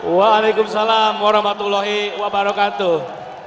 wa'alaikum salam warahmatullahi wabarakatuh